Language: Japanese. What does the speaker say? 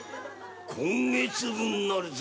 今月分なるぞ。